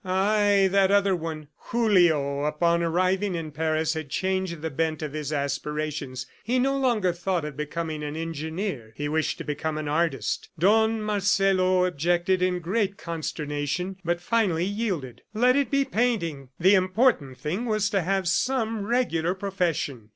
Ay, that other one! ... Julio, upon arriving in Paris, had changed the bent of his aspirations. He no longer thought of becoming an engineer; he wished to become an artist. Don Marcelo objected in great consternation, but finally yielded. Let it be painting! The important thing was to have some regular profession.